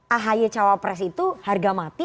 ahy cawapres itu harga mati